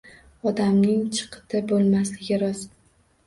Odamning chiqiti bo‘lmasligi rost